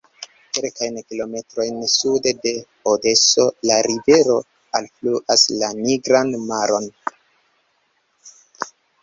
Kelkajn kilometrojn sude de Odeso la rivero alfluas la Nigran Maron.